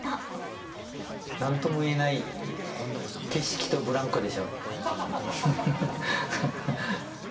なんともいえない景色とブランコでしょ？